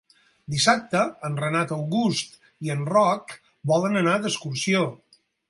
Dissabte en Renat August i en Roc volen anar d'excursió.